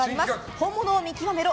本物を見極めろ！